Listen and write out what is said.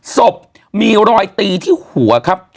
ศพมีรอยตีที่หัวครับ